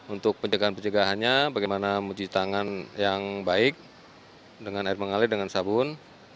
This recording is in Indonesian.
untuk pencegahan pencegahannya bagaimana mencuci tangan yang baik dengan air mengalir dengan sabun